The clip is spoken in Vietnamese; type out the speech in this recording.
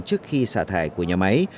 trước khi xả thải của nhà máy